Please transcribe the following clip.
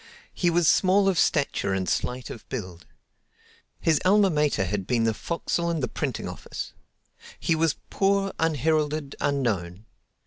He was small of stature and slight of build. His alma mater had been the forecastle and the printing office. He was poor, unheralded, unknown.